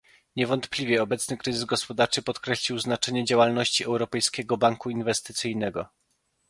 Niewątpliwie obecny kryzys gospodarczy podkreślił znaczenie działalności Europejskiego Banku Inwestycyjnego